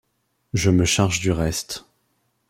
je me charge du reste.